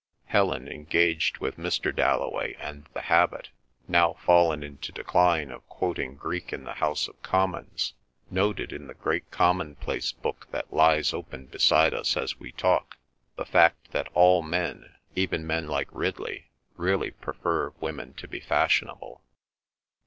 Helen, engaged with Mr. Dalloway and the habit, now fallen into decline, of quoting Greek in the House of Commons, noted, in the great commonplace book that lies open beside us as we talk, the fact that all men, even men like Ridley, really prefer women to be fashionable.